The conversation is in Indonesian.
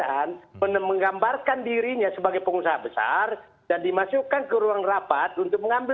jadi ini kan cara pemikiran menggambarkan dirinya sebagai pengusaha besar dan dimasukkan ke ruang rapat untuk mengambil